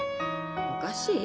おかしい？